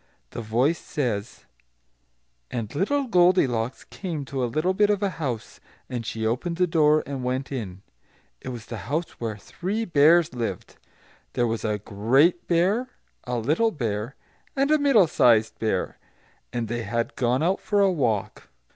The voice says, "And little Goldilocks came to a little bit of a house. And she opened the door and went in. It was the house where three Bears lived; there was a great Bear, a little Bear, and a middle sized Bear; and they had gone out for a walk.